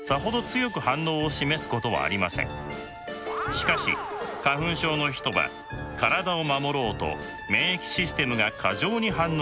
しかし花粉症の人は体を守ろうと免疫システムが過剰に反応してしまいます。